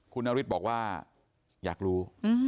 คุณนฤทธิ์บอกว่าอยากรู้